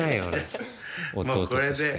弟として。